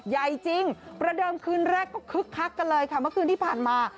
ใหญ่จริงประเดิมคืนแรกก็คึกคักกันเลยค่ะเมื่อคืนที่ผ่านมา